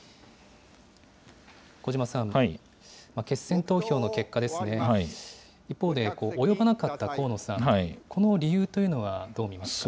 小嶋さん、決選投票の結果ですね、一方で、及ばなかった河野さん、この理由というのはどう見ますか。